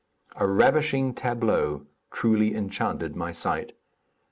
A ravishing tableau truly enchanted my sight.